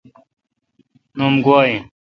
نوم گوا این۔